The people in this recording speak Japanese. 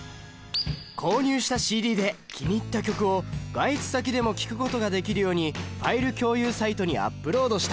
購入したＣＤで気に入った曲を外出先でも聴くことができるようにファイル共有サイトにアップロードした。